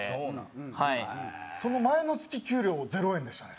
その前の月給料０円でしたね。